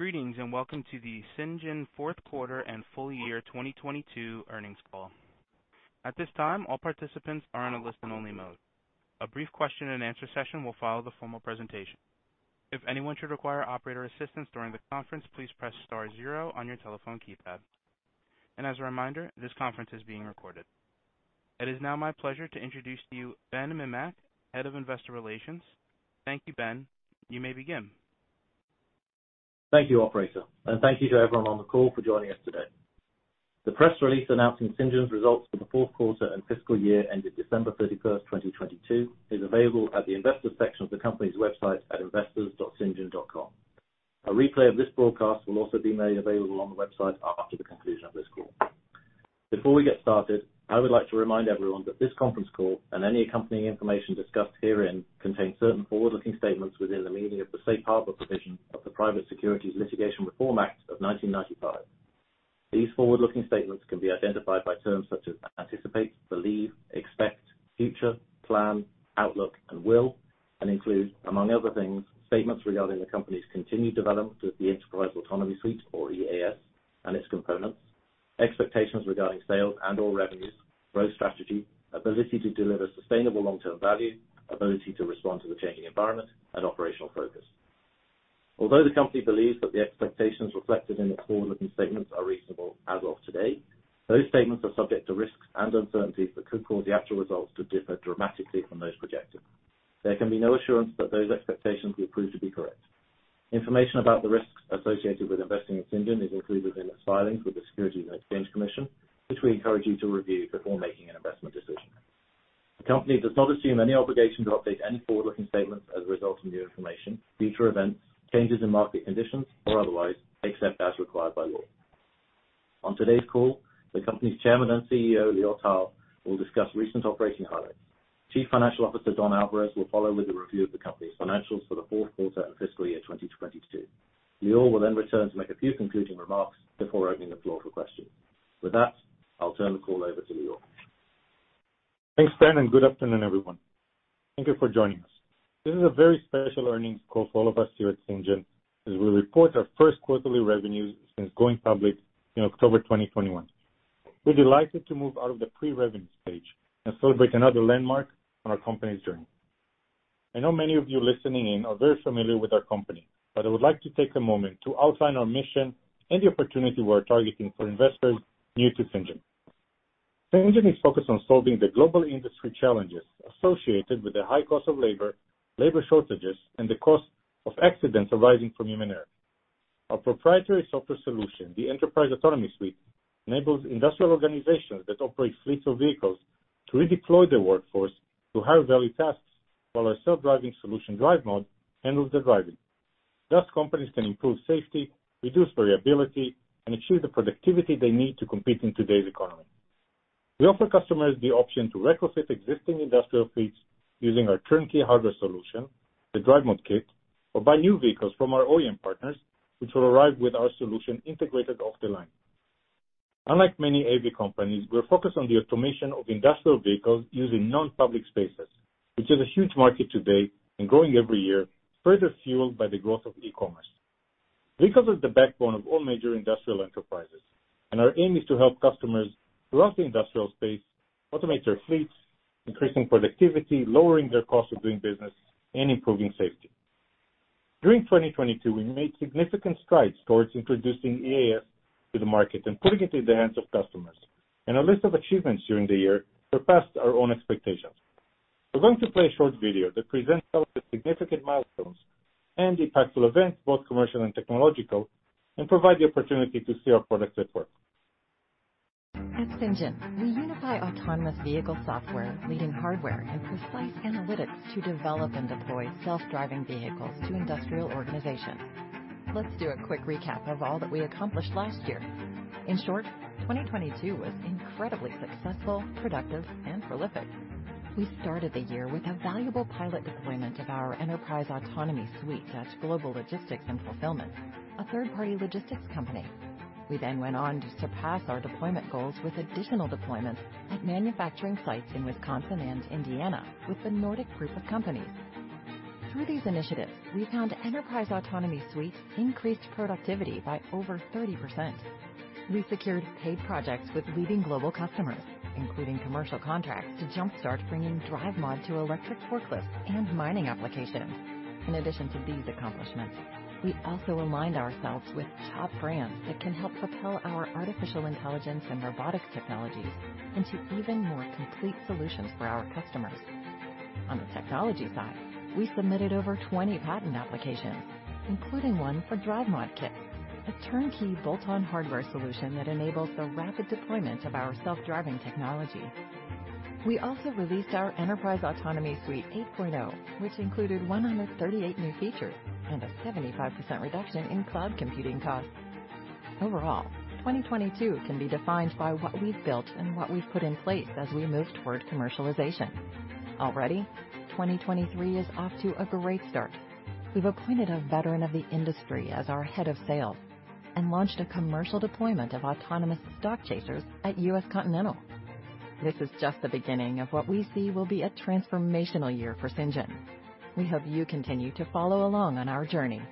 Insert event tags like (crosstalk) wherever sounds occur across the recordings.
Greetings, welcome to the Cyngn fourth quarter and full year 2022 earnings call. At this time, all participants are on a listen only mode. A brief question-and-answer session will follow the formal presentation. If anyone should require operator assistance during the conference, please press star zero on your telephone keypad. As a reminder, this conference is being recorded. It is now my pleasure to introduce to you Ben Mimmack, Head of Investor Relations. Thank you, Ben. You may begin. Thank you, operator, and thank you to everyone on the call for joining us today. The press release announcing Cyngn's results for the fourth quarter and fiscal year ended December 31st, 2022, is available at the investor section of the company's website at investors.cyngn.com. A replay of this broadcast will also be made available on the website after the conclusion of this call. Before we get started, I would like to remind everyone that this conference call and any accompanying information discussed herein contains certain forward-looking statements within the meaning of the Safe Harbor provision of the Private Securities Litigation Reform Act of 1995. These forward-looking statements can be identified by terms such as anticipate, believe, expect, future, plan, outlook, and will, and include, among other things, statements regarding the company's continued development with the Enterprise Autonomy Suite, or EAS, and its components, expectations regarding sales and/or revenues, growth strategy, ability to deliver sustainable long-term value, ability to respond to the changing environment and operational focus. Although the company believes that the expectations reflected in the forward-looking statements are reasonable as of today, those statements are subject to risks and uncertainties that could cause the actual results to differ dramatically from those projected. There can be no assurance that those expectations will prove to be correct. Information about the risks associated with investing in Cyngn is included in its filings with the Securities and Exchange Commission, which we encourage you to review before making an investment decision. The company does not assume any obligation to update any forward-looking statements as a result of new information, future events, changes in market conditions, or otherwise, except as required by law. On today's call, the company's Chairman and CEO, Lior Tal, will discuss recent operating highlights. Chief Financial Officer Don Alvarez will follow with a review of the company's financials for the fourth quarter and fiscal year 2022. Lior will then return to make a few concluding remarks before opening the floor for questions. With that, I'll turn the call over to Lior. Thanks, Ben. Good afternoon, everyone. Thank you for joining us. This is a very special earnings call for all of us here at Cyngn as we report our first quarterly revenues since going public in October 2021. We're delighted to move out of the pre-revenue stage and celebrate another landmark on our company's journey. I know many of you listening in are very familiar with our company, but I would like to take a moment to outline our mission and the opportunity we're targeting for investors new to Cyngn. Cyngn is focused on solving the global industry challenges associated with the high cost of labor shortages, and the cost of accidents arising from human error. Our proprietary software solution, the Enterprise Autonomy Suite, enables industrial organizations that operate fleets of vehicles to redeploy their workforce to high-value tasks while our self-driving solution, DriveMod, handles the driving. Thus, companies can improve safety, reduce variability, and achieve the productivity they need to compete in today's economy. We offer customers the option to retrofit existing industrial fleets using our turnkey hardware solution, the DriveMod Kit, or buy new vehicles from our OEM partners, which will arrive with our solution integrated off the line. Unlike many AV companies, we're focused on the automation of industrial vehicles using non-public spaces, which is a huge market today and growing every year, further fueled by the growth of e-commerce. Vehicles are the backbone of all major industrial enterprises, and our aim is to help customers throughout the industrial space automate their fleets, increasing productivity, lowering their cost of doing business, and improving safety. During 2022, we made significant strides towards introducing EAS to the market and putting it in the hands of customers. Our list of achievements during the year surpassed our own expectations. We're going to play a short video that presents some of the significant milestones and impactful events, both commercial and technological, and provide the opportunity to see our products at work. At Cyngn, we unify autonomous vehicle software, leading hardware, and precise analytics to develop and deploy self-driving vehicles to industrial organizations. Let's do a quick recap of all that we accomplished last year. In short, 2022 was incredibly successful, productive, and prolific. We started the year with a valuable pilot deployment of our Enterprise Autonomy Suite at Global Logistics and Fulfillment, a third-party logistics company. We went on to surpass our deployment goals with additional deployments at manufacturing sites in Wisconsin and Indiana with The Nordic Group of Companies. Through these initiatives, we found Enterprise Autonomy Suite increased productivity by over 30%. We secured paid projects with leading global customers, including commercial contracts to jumpstart bringing DriveMod to electric forklifts and mining applications. In addition to these accomplishments, we also aligned ourselves with top brands that can help propel our artificial intelligence and robotics technologies into even more complete solutions for our customers. On the technology side, we submitted over 20 patent applications, including one for DriveMod Kit, a turnkey bolt-on hardware solution that enables the rapid deployment of our self-driving technology. We also released our Enterprise Autonomy Suite v8.0, which included 138 new features and a 75% reduction in cloud computing costs. Overall, 2022 can be defined by what we've built and what we've put in place as we move toward commercialization. Already, 2023 is off to a great start. We've appointed a veteran of the industry as our head of sales and launched a commercial deployment of autonomous Stockchasers at U.S. Continental. This is just the beginning of what we see will be a transformational year for Cyngn. We hope you continue to follow along on our journey.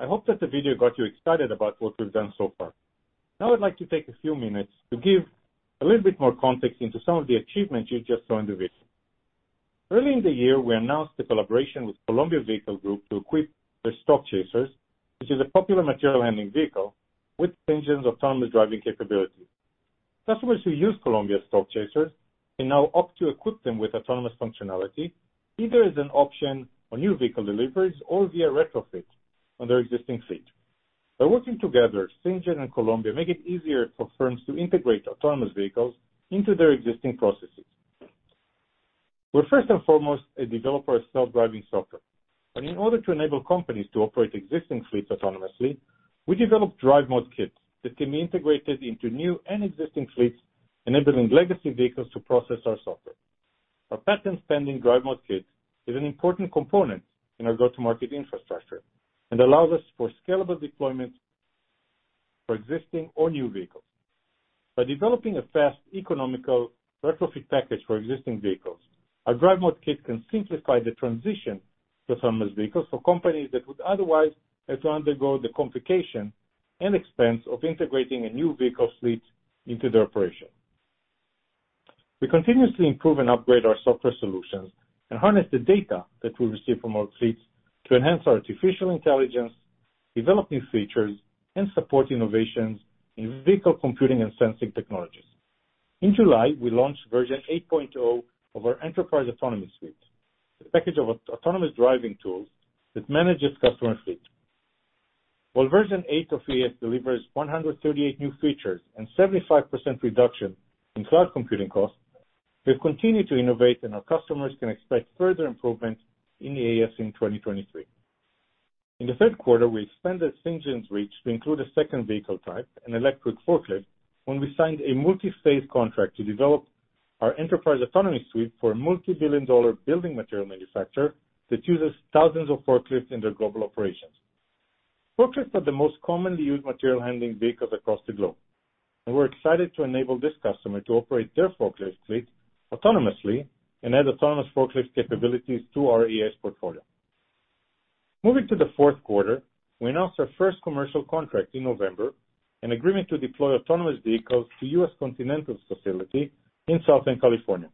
I hope that the video got you excited about what we've done so far. I'd like to take a few minutes to give a little bit more context into some of the achievements you just saw in the video. Early in the year, we announced a collaboration with Columbia Vehicle Group to equip their Stockchasers, which is a popular material handling vehicle, with Cyngn's autonomous driving capabilities. Customers who use Columbia Stockchasers can now opt to equip them with autonomous functionality, either as an option on new vehicle deliveries or via retrofit on their existing fleet. By working together, Cyngn and Columbia make it easier for firms to integrate autonomous vehicles into their existing processes. We're first and foremost a developer of self-driving software, and in order to enable companies to operate existing fleets autonomously, we developed DriveMod Kits that can be integrated into new and existing fleets, enabling legacy vehicles to process our software. Our patent-pending DriveMod Kit is an important component in our go-to-market infrastructure and allows us for scalable deployment for existing or new vehicles. By developing a fast, economical retrofit package for existing vehicles, our DriveMod Kit can simplify the transition to autonomous vehicles for companies that would otherwise have to undergo the complication and expense of integrating a new vehicle fleet into their operation. We continuously improve and upgrade our software solutions and harness the data that we receive from our fleets to enhance artificial intelligence, develop new features, and support innovations in vehicle computing and sensing technologies. In July, we launched version 8.0 of our Enterprise Autonomy Suite, a package of autonomous driving tools that manages customer fleet. While version eight of EAS delivers 138 new features and 75% reduction in cloud computing costs, we've continued to innovate. Our customers can expect further improvement in EAS in 2023. In the third quarter, we expanded Cyngn's reach to include a second vehicle type, an electric forklift, when we signed a multi-phase contract to develop our Enterprise Autonomy Suite for a multi billion dollar building material manufacturer that uses thousands of forklifts in their global operations. Forklifts are the most commonly used material handling vehicles across the globe. We're excited to enable this customer to operate their forklift fleet autonomously and add autonomous forklift capabilities to our EAS portfolio. Moving to the fourth quarter, we announced our first commercial contract in November, an agreement to deploy autonomous vehicles to U.S. Continental's facility in Southern California.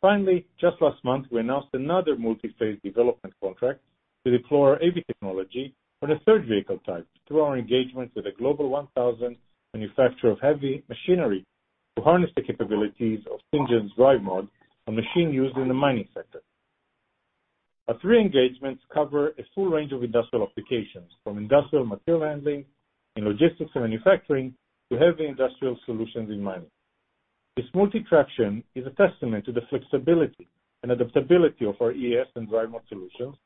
Finally, just last month, we announced another multi-phase development contract to deploy our AV technology on a third vehicle type through our engagement with a Global 1,000 manufacturer of heavy machinery to harness the capabilities of Cyngn's DriveMod on machine used in the mining sector. Our three engagements cover a full range of industrial applications from industrial material handling and logistics and manufacturing to heavy industrial solutions in mining. This multi-traction is a testament to the flexibility and adaptability of our EAS and DriveMod solutions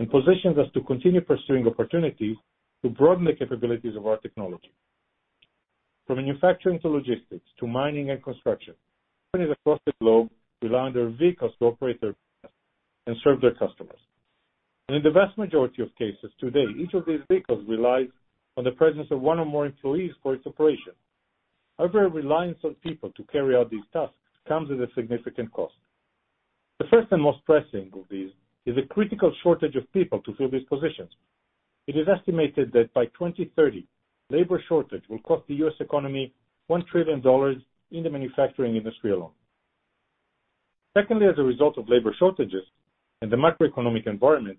and positions us to continue pursuing opportunities to broaden the capabilities of our technology. From manufacturing to logistics to mining and construction, companies across the globe rely on their vehicles to operate their and serve their customers. In the vast majority of cases today, each of these vehicles relies on the presence of one or more employees for its operation. However, reliance on people to carry out these tasks comes at a significant cost. The first and most pressing of these is a critical shortage of people to fill these positions. It is estimated that by 2030, labor shortage will cost the U.S. economy $1 trillion in the manufacturing industry alone. Secondly, as a result of labor shortages and the macroeconomic environment,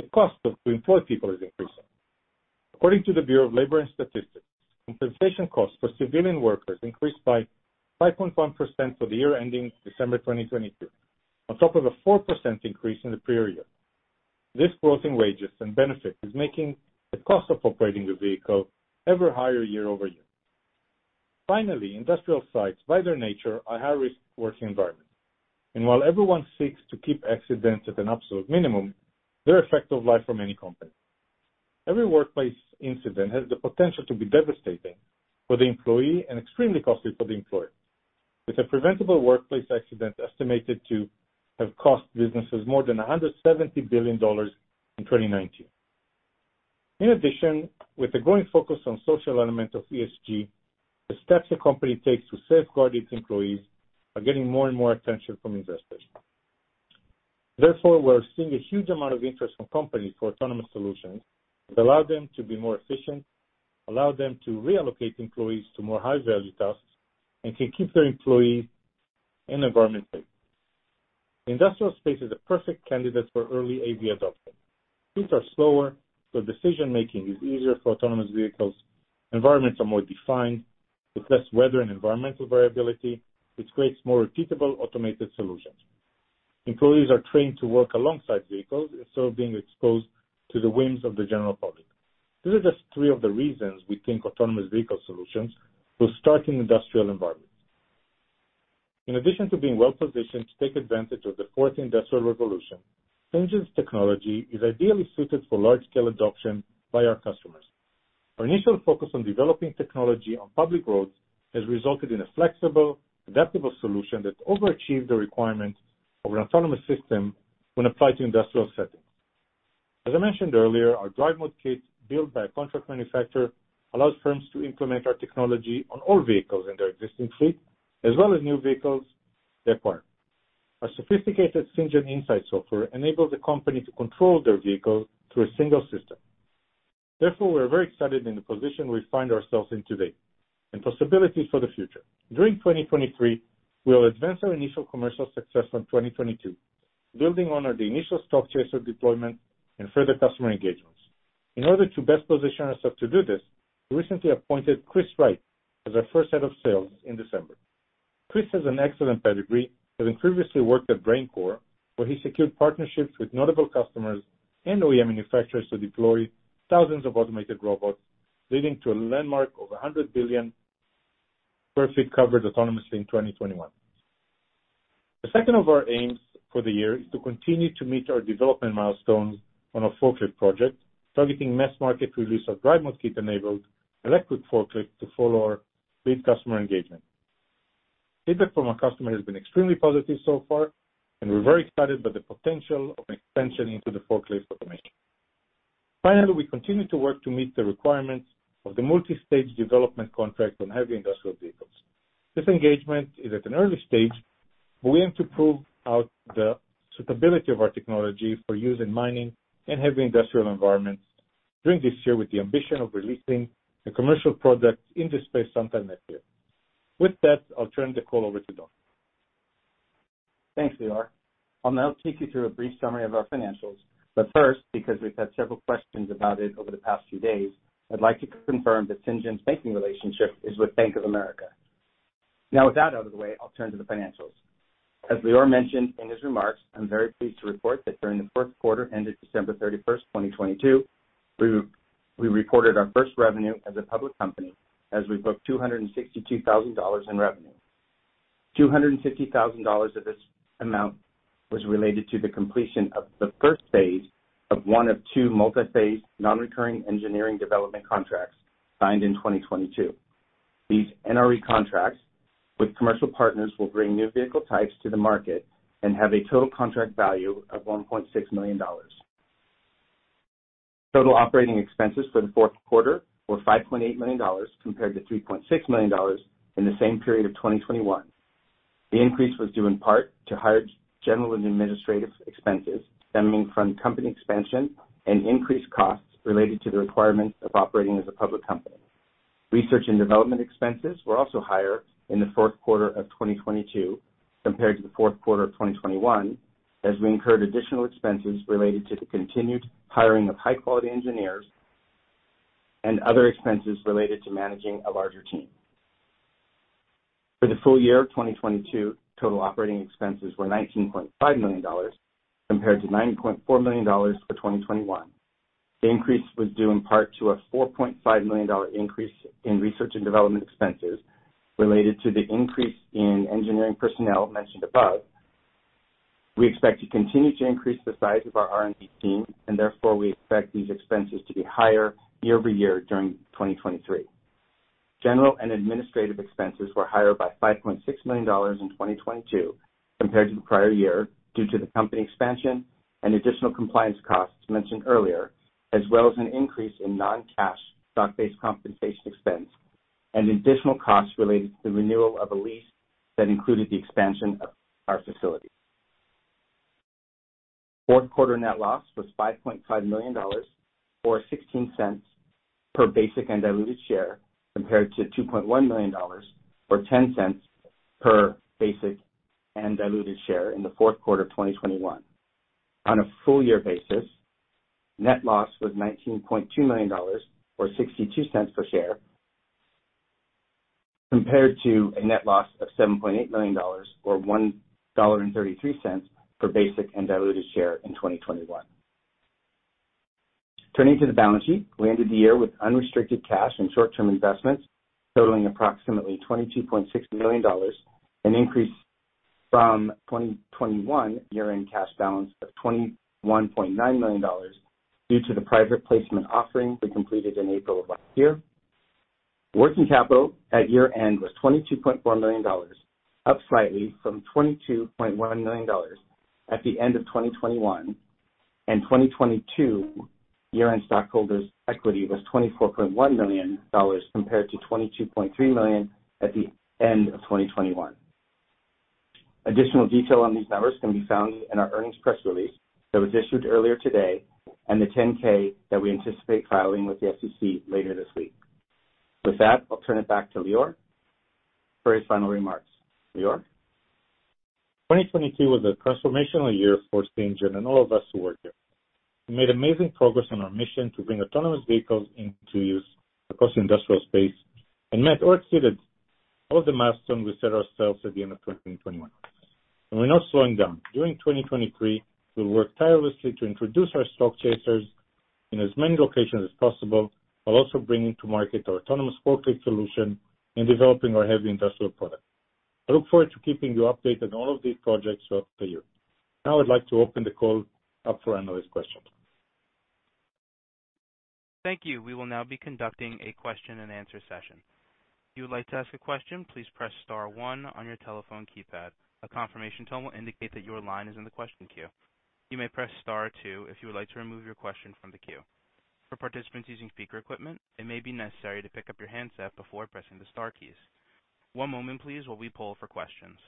the cost to employ people is increasing. According to the Bureau of Labor Statistics, compensation costs for civilian workers increased by 5.1% for the year ending December 2022, on top of a 4% increase in the prior year. This growth in wages and benefits is making the cost of operating the vehicle ever higher year-over-year. Finally, industrial sites, by their nature, are high-risk working environments. While everyone seeks to keep accidents at an absolute minimum, they're a fact of life for many companies. Every workplace incident has the potential to be devastating for the employee and extremely costly for the employer, with a preventable workplace accident estimated to have cost businesses more than $170 billion in 2019. In addition, with the growing focus on social elements of ESG, the steps a company takes to safeguard its employees are getting more and more attention from investors. We're seeing a huge amount of interest from companies for autonomous solutions that allow them to be more efficient, allow them to reallocate employees to more high-value tasks, and can keep their employees and environment safe. Industrial space is a perfect candidate for early AV adoption. Speeds are slower, decision-making is easier for autonomous vehicles. Environments are more defined with less weather and environmental variability, which creates more repeatable automated solutions. Employees are trained to work alongside vehicles instead of being exposed to the whims of the general public. These are just three of the reasons we think autonomous vehicle solutions will start in industrial environments. In addition to being well-positioned to take advantage of the fourth industrial revolution, Cyngn's technology is ideally suited for large-scale adoption by our customers. Our initial focus on developing technology on public roads has resulted in a flexible, adaptable solution that overachieved the requirements of an autonomous system when applied to industrial settings. As I mentioned earlier, our DriveMod Kit, built by a contract manufacturer, allows firms to implement our technology on all vehicles in their existing fleet, as well as new vehicles they acquire. Our sophisticated Cyngn Insight software enables the company to control their vehicles through a single system. Therefore, we're very excited in the position we find ourselves in today and possibilities for the future. During 2023, we will advance our initial commercial success from 2022, building on the initial Stockchaser deployment and further customer engagements. In order to best position ourselves to do this, we recently appointed Chris Wright as our first Head of Sales in December. Chris has an excellent pedigree, having previously worked at Brain Corp, where he secured partnerships with notable customers and OEM manufacturers to deploy thousands of automated robots, leading to a landmark over 100 billion per ft covered autonomously in 2021. The second of our aims for the year is to continue to meet our development milestones on our forklift project, targeting mass market release of DriveMod Kit-enabled electric forklift to follow our lead customer engagement. Feedback from our customer has been extremely positive so far, and we're very excited by the potential of expansion into the forklift automation. Finally, we continue to work to meet the requirements of the multi-stage development contract on heavy industrial vehicles. This engagement is at an early stage, but we aim to prove out the suitability of our technology for use in mining and heavy industrial environments during this year with the ambition of releasing a commercial product in this space sometime next year. With that, I'll turn the call over to Don. Thanks, Lior. I'll now take you through a brief summary of our financials. First, because we've had several questions about it over the past few days, I'd like to confirm that Cyngn's banking relationship is with Bank of America. With that out of the way, I'll turn to the financials. As Lior mentioned in his remarks, I'm very pleased to report that during the first quarter ended December 31st, 2022, we reported our first revenue as a public company as we booked $262,000 in revenue. $250,000 of this amount was related to the completion of the first phase of one of two multi-phase, non-recurring engineering development contracts signed in 2022. These NRE contracts with commercial partners will bring new vehicle types to the market and have a total contract value of $1.6 million. Total operating expenses for the fourth quarter were $5.8 million compared to $3.6 million in the same period of 2021. The increase was due in part to higher general and administrative expenses stemming from company expansion and increased costs related to the requirements of operating as a public company. Research and development expenses were also higher in the fourth quarter of 2022 compared to the fourth quarter of 2021, as we incurred additional expenses related to the continued hiring of high-quality engineers and other expenses related to managing a larger team. For the full year of 2022, total operating expenses were $19.5 million compared to $9.4 million for 2021. The increase was due in part to a $4.5 million increase in research and development expenses related to the increase in engineering personnel mentioned above. We expect to continue to increase the size of our R&D team and therefore we expect these expenses to be higher year-over-year during 2023. General and administrative expenses were higher by $5.6 million in 2022 compared to the prior year due to the company expansion and additional compliance costs mentioned earlier, as well as an increase in non-cash stock-based compensation expense and additional costs related to the renewal of a lease that included the expansion of our facility. Fourth quarter net loss was $5.5 million or $0.16 per basic and diluted share, compared to $2.1 million or $0.10 per basic and diluted share in the fourth quarter of 2021. On a full year basis, net loss was $19.2 million or $0.62 per share, compared to a net loss of $7.8 million or $1.33 per basic and diluted share in 2021. Turning to the balance sheet, we ended the year with unrestricted cash and short-term investments totaling approximately $22.6 million, an increase from 2021 year-end cash balance of $21.9 million due to the private placement offering we completed in April of last year. Working capital at year-end was $22.4 million, up slightly from $22.1 million at the end of 2021. 2022 year-end stockholders' equity was $24.1 million compared to $22.3 million at the end of 2021. Additional detail on these numbers can be found in our earnings press release that was issued earlier today and the 10-K that we anticipate filing with the SEC later this week. With that, I'll turn it back to Lior for his final remarks. Lior? 2022 was a transformational year for Cyngn and all of us who work here. We made amazing progress on our mission to bring autonomous vehicles into use across the industrial space and met or exceeded all the milestones we set ourselves at the end of 2021. We're not slowing down. During 2023, we'll work tirelessly to introduce our Stockchasers in as many locations as possible, while also bringing to market our autonomous forklift solution and developing our heavy industrial product. I look forward to keeping you updated on all of these projects throughout the year. Now I'd like to open the call up for analyst questions. Thank you. We will now be conducting a question-and-answer session. If you would like to ask a question, please press star one on your telephone keypad. A confirmation tone will indicate that your line is in the question queue. You may press star two if you would like to remove your question from the queue. For participants using speaker equipment, it may be necessary to pick up your handset before pressing the star keys. One moment please while we poll for questions.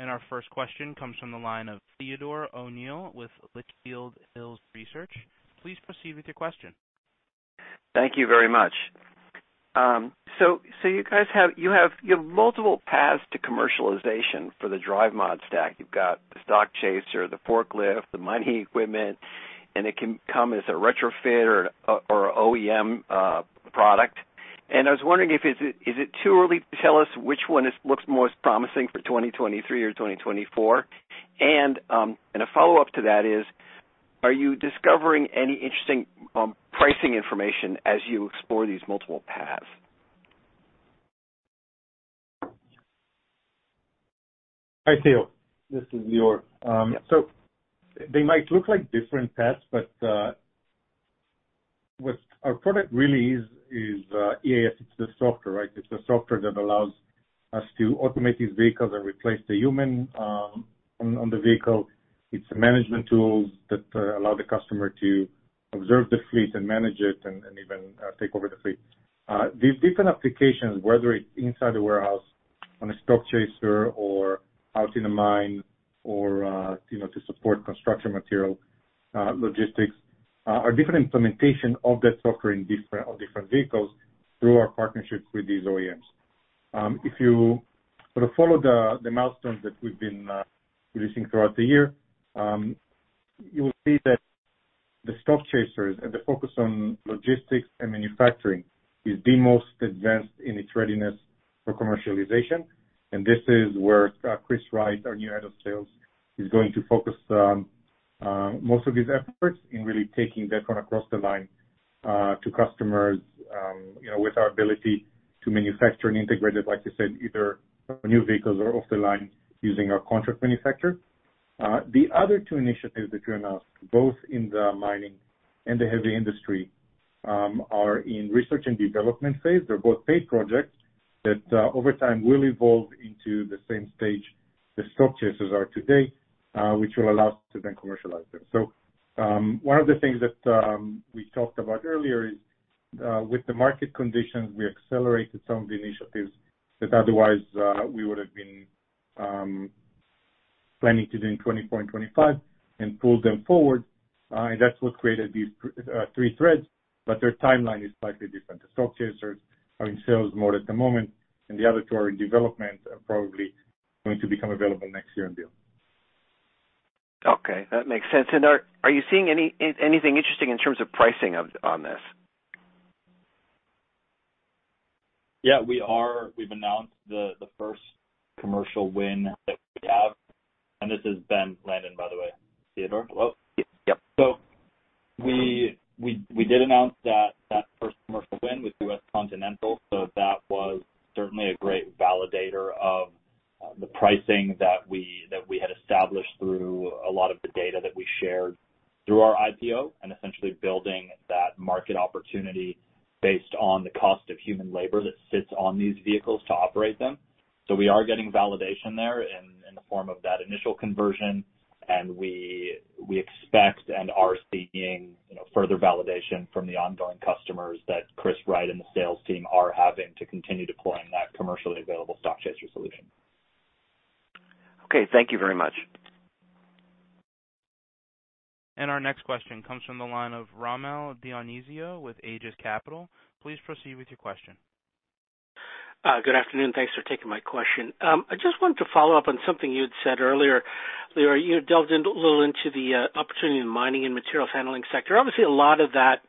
Our first question comes from the line of Theodore O'Neill with Litchfield Hills Research. Please proceed with your question. Thank you very much. So you guys have multiple paths to commercialization for the DriveMod stack. You've got the Stockchaser, the forklift, the mining equipment, and it can come as a retrofit or OEM product. I was wondering if is it too early to tell us which one looks most promising for 2023 or 2024? A follow-up to that is, are you discovering any interesting pricing information as you explore these multiple paths? Hi, Theo. This is Lior. They might look like different paths, but what our product really is EAS. It's the software, right? It's the software that allows us to automate these vehicles and replace the human on the vehicle. It's the management tools that allow the customer to observe the fleet and manage it and even take over the fleet. These different applications, whether it's inside the warehouse on a Stockchaser or out in a mine or, you know, to support construction material logistics, are different implementation of that software in different vehicles through our partnerships with these OEMs. If you sort of follow the milestones that we've been releasing throughout the year, you will see that the Stockchaser and the focus on logistics and manufacturing is the most advanced in its readiness for commercialization. This is where Chris Wright, our new head of sales, is going to focus on most of his efforts in really taking that one across the line to customers, you know, with our ability to manufacture and integrate it, like you said, either new vehicles or off the line using our contract manufacturer. The other two initiatives that we announced, both in the mining and the heavy industry, are in research and development phase. They're both paid projects that over time, will evolve into the same stage the Stockchaser are today, which will allow us to then commercialize them. One of the things that we talked about earlier is with the market conditions, we accelerated some of the initiatives that otherwise we would've been planning to do in 2024 and 2025 and pulled them forward. That's what created these three threads, but their timeline is slightly different. The Stockchaser are in sales mode at the moment, and the other two are in development, are probably going to become available next year and beyond. Okay. That makes sense. Are you seeing any anything interesting in terms of pricing of, on this? Yeah, we are. We've announced the first commercial win that we have. This is Ben Landen, by the way, Theodore. Hello. Yep. We did announce that first commercial win with U.S. Continental. That was certainly a great validator of the pricing that we had established through a lot of the data that we shared through our IPO, and essentially building that market opportunity based on the cost of human labor that sits on these vehicles to operate them. We are getting validation there in the form of that initial conversion. We expect and are seeing, you know, further validation from the ongoing customers that Chris Wright and the sales team are having to continue deploying that commercially available Stockchaser solution. Okay. Thank you very much. Our next question comes from the line of Rommel Dionisio with Aegis Capital. Please proceed with your question. Good afternoon. Thanks for taking my question. I just wanted to follow up on something you had said earlier. Lior, you delved in a little into the opportunity in the mining and materials handling sector. Obviously, a lot of that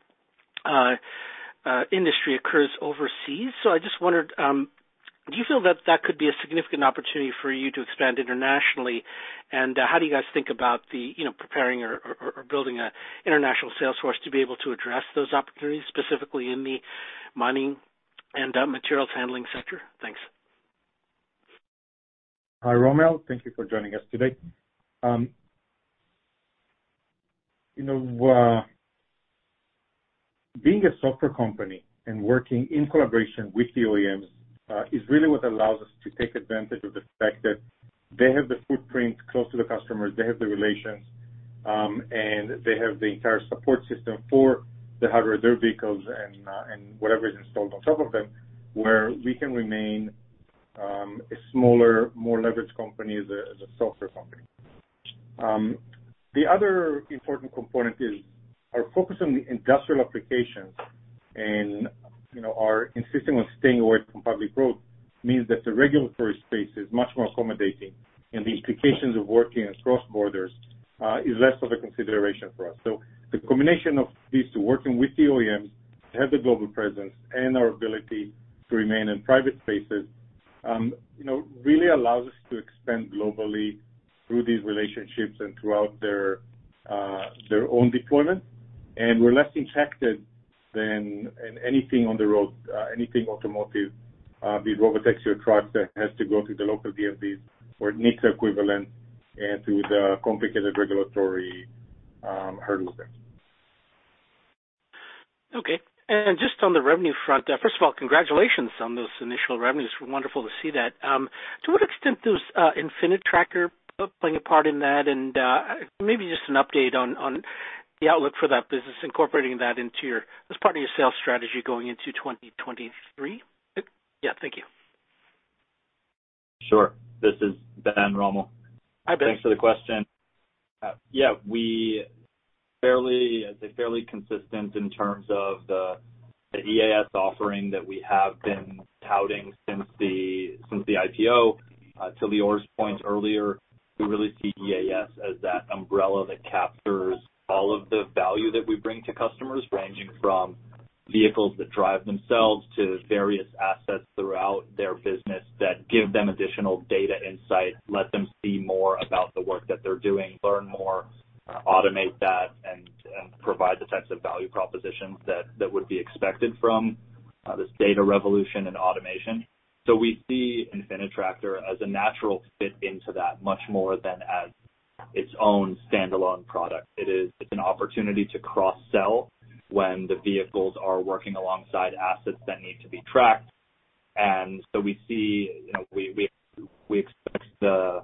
industry occurs overseas. I just wondered, do you feel that that could be a significant opportunity for you to expand internationally? How do you guys think about the, you know, preparing or building a international sales force to be able to address those opportunities, specifically in the mining and materials handling sector? Thanks. Hi, Rommel. Thank you for joining us today. You know, being a software company and working in collaboration with the OEMs is really what allows us to take advantage of the fact that they have the footprint close to the customers, they have the relations, and they have the entire support system for the hardware, their vehicles and whatever is installed on top of them, where we can remain a smaller, more leveraged company as a software company. The other important component is our focus on the industrial applications. You know, our insisting on staying away from public roads means that the regulatory space is much more accommodating, and the implications of working across borders, is less of a consideration for us. The combination of these two, working with the OEMs to have the global presence and our ability to remain in private spaces, you know, really allows us to expand globally through these relationships and throughout their own deployment. We're less impacted than in anything on the road, anything automotive, with robotaxis trucks that has to go through the local DMVs or DOT equivalent and through the complicated regulatory hurdles there. Okay. Just on the revenue front, first of all, congratulations on those initial revenues. Wonderful to see that. To what extent is Infinitracker playing a part in that? Maybe just an update on the outlook for that business, incorporating that as part of your sales strategy going into 2023. Yeah. Thank you. Sure. This is Ben Rommel. Hi, Ben. Thanks for the question. Yeah, we fairly, I'd say fairly consistent in terms of the EAS offering that we have been touting since the IPO. To Lior's point earlier, we really see EAS as that umbrella that captures all of the value that we bring to customers, ranging from vehicles that drive themselves to various assets throughout their business that give them additional data insight, let them see more about the work that they're doing, learn more, automate that, and provide the types of value propositions that would be expected from this data revolution and automation. We see Infinitracker as a natural fit into that, much more than as its own standalone product. It is an opportunity to cross-sell when the vehicles are working alongside assets that need to be tracked. We see, you know, we expect the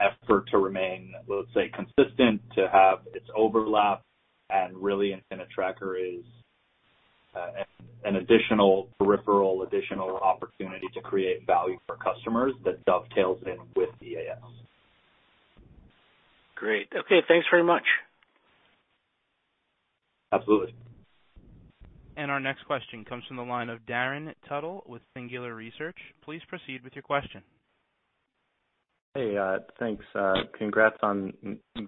effort to remain, let's say, consistent, to have its overlap. Really, Infinitracker is an additional peripheral, additional opportunity to create value for customers that dovetails in with EAS. Great. Okay, thanks very much. Absolutely. Our next question comes from the line of Darin Tuttle with Singular Research. Please proceed with your question. Hey, thanks. Congrats on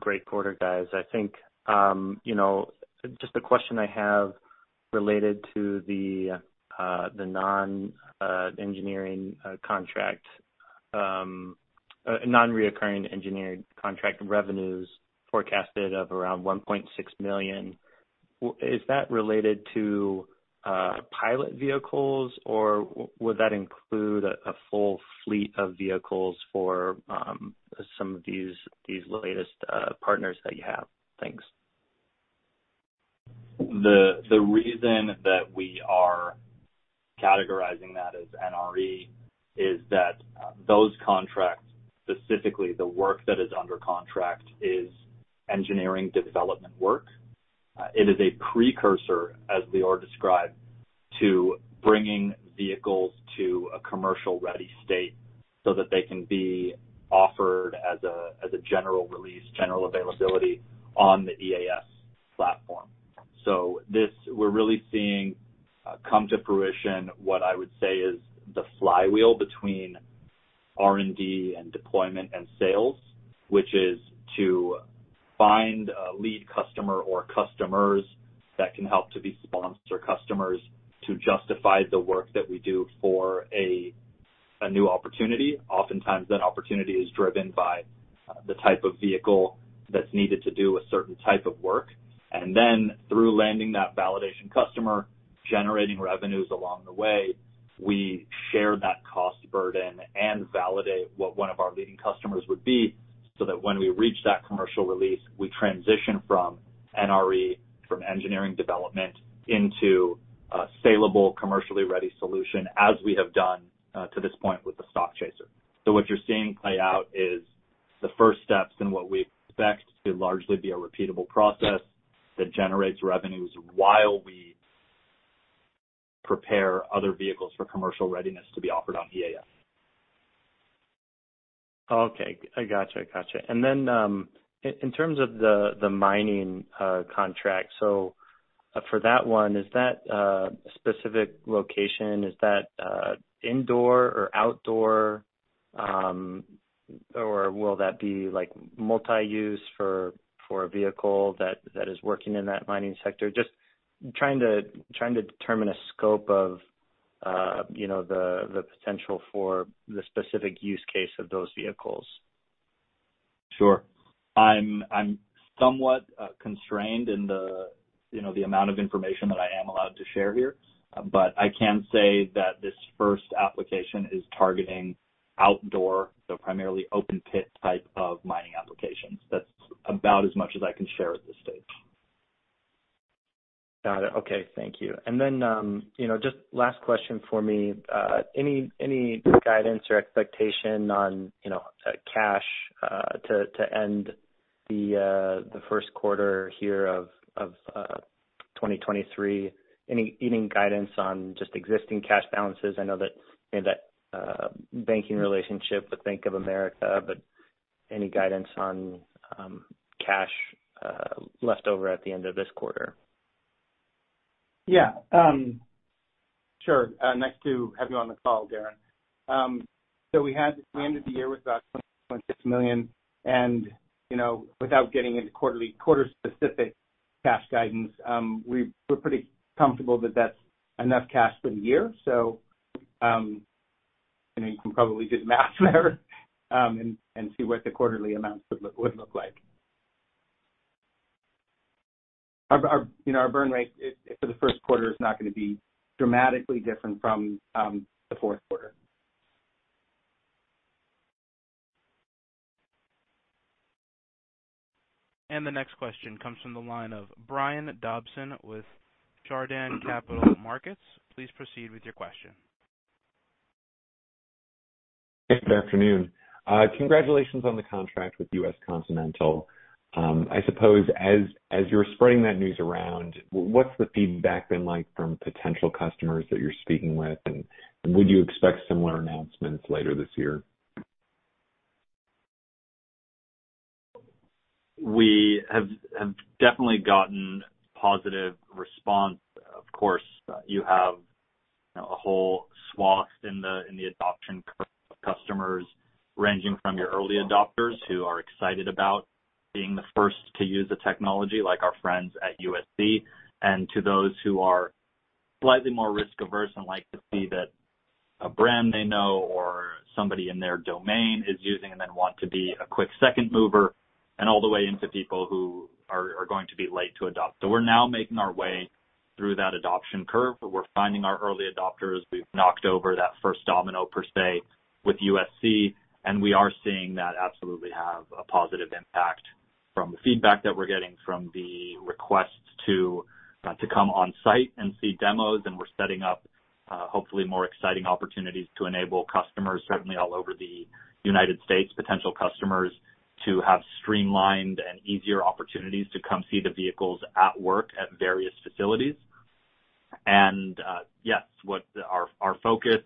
great quarter, guys. I think, you know, just a question I have related to the non engineering contract non-recurring engineering contract revenues forecasted of around $1.6 million. Is that related to pilot vehicles, or would that include a full fleet of vehicles for some of these latest partners that you have? Thanks. The reason that we are categorizing that as NRE is that those contracts, specifically the work that is under contract, is engineering development work. It is a precursor, as Lior described, to bringing vehicles to a commercial ready state so that they can be offered as a general release, general availability on the EAS platform. This, we're really seeing come to fruition what I would say is the flywheel between R&D and deployment and sales, which is to find a lead customer or customers that can help to be sponsor customers to justify the work that we do for a new opportunity. Oftentimes that opportunity is driven by the type of vehicle that's needed to do a certain type of work. Through landing that validation customer, generating revenues along the way, we share that cost burden and validate what one of our leading customers would be, so that when we reach that commercial release, we transition from NRE, from engineering development into a saleable, commercially ready solution as we have done to this point with the Stockchaser. What you're seeing play out is the first steps in what we expect to largely be a repeatable process that generates revenues while we prepare other vehicles for commercial readiness to be offered on EAS. Okay. I gotcha. In terms of the mining contract, so for that one, is that, specific location, is that, indoor or outdoor? Will that be like multi-use for a vehicle that is working in that mining sector? Just trying to determine a scope of, you know, the potential for the specific use case of those vehicles. Sure. I'm somewhat constrained in the, you know, the amount of information that I am allowed to share here. I can say that this first application is targeting outdoor, so primarily open pit type of mining applications. That's about as much as I can share at this stage. Got it. Okay. Thank you. You know, just last question for me, any guidance or expectation on, you know, cash to end the first quarter here of 2023? Any guidance on just existing cash balances? I know that you had that banking relationship with Bank of America, any guidance on cash left over at the end of this quarter? Yeah, sure. Nice to have you on the call, Darin. We ended the year with about $20.6 million. You know, without getting into quarter specific cash guidance, we're pretty comfortable that that's enough cash for the year. And you can probably do the math there, and see what the quarterly amounts would look like. Our, you know, our burn rate, for the first quarter is not gonna be dramatically different from, the fourth quarter. The next question comes from the line of Brian Dobson with Chardan Capital Markets. Please proceed with your question. Good afternoon. Congratulations on the contract with U.S. Continental. I suppose as you're spreading that news around, what's the feedback been like from potential customers that you're speaking with, and would you expect similar announcements later this year? We have definitely gotten positive response. Of course, you have, you know, a whole swath in the adoption curve of customers ranging from your early adopters who are excited about being the first to use the technology, like our friends at USC, and to those who are slightly more risk-averse and like to see that a brand they know or somebody in their domain is using and then want to be a quick second mover, and all the way into people who are going to be late to adopt. We're now making our way through that adoption curve. We're finding our early adopters. We've knocked over that first domino per se with USC, and we are seeing that absolutely have a positive impact from the feedback that we're getting from the requests to come on site and see demos. We're setting up, hopefully more exciting opportunities to enable customers, certainly all over the United States, potential customers, to have streamlined and easier opportunities to come see the vehicles at work at various facilities. Yes, what our focus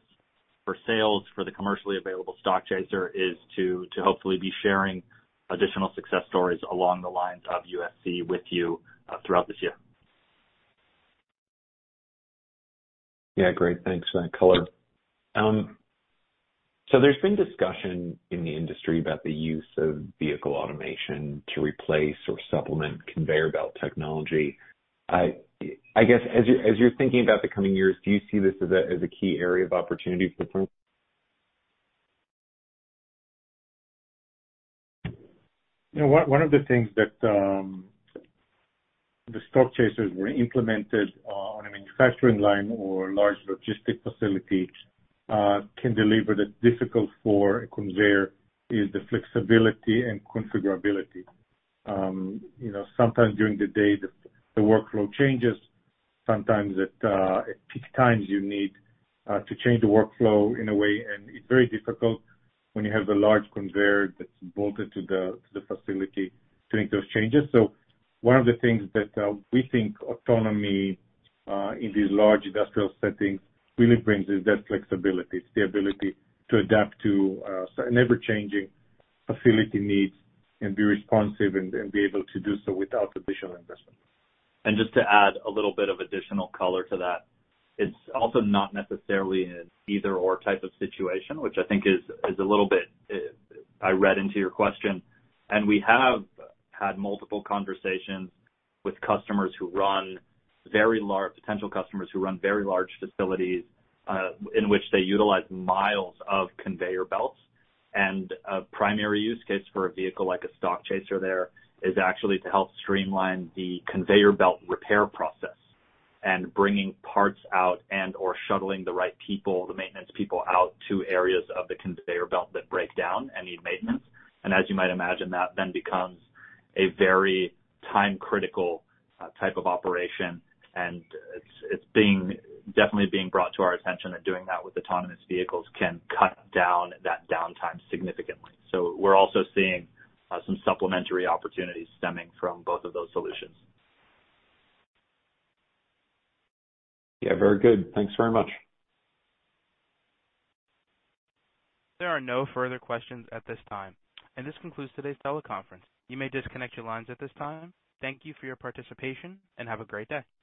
for sales for the commercially available Stockchaser is to hopefully be sharing additional success stories along the lines of USC with you, throughout this year. Yeah, great. Thanks for that color. There's been discussion in the industry about the use of vehicle automation to replace or supplement conveyor belt technology. I guess, as you're thinking about the coming years, do you see this as a key area of opportunity? (audio distortion) You know, one of the things that the Stockchaser were implemented on a manufacturing line or large logistics facility can deliver that's difficult for a conveyor is the flexibility and configurability. You know, sometimes during the day, the workflow changes. Sometimes at peak times you need to change the workflow in a way, and it's very difficult when you have the large conveyor that's bolted to the facility to make those changes. One of the things that we think autonomy in these large industrial settings really brings is that flexibility. It's the ability to adapt to ever-changing facility needs and be responsive and be able to do so without additional investment. Just to add a little bit of additional color to that, it's also not necessarily an either/or type of situation, which I think is a little bit, I read into your question. We have had multiple conversations with potential customers who run very large facilities, in which they utilize miles of conveyor belts. A primary use case for a vehicle like a Stockchaser there is actually to help streamline the conveyor belt repair process and bringing parts out and/or shuttling the right people, the maintenance people out to areas of the conveyor belt that break down and need maintenance. As you might imagine, that then becomes a very time-critical type of operation. It's definitely being brought to our attention that doing that with autonomous vehicles can cut down that downtime significantly. We're also seeing, some supplementary opportunities stemming from both of those solutions. Yeah, very good. Thanks very much. There are no further questions at this time, and this concludes today's teleconference. You may disconnect your lines at this time. Thank you for your participation, and have a great day.